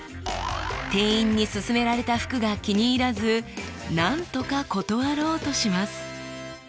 店員にすすめられた服が気に入らずなんとか断ろうとします。